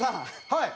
はい！